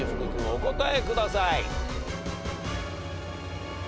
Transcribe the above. お答えください。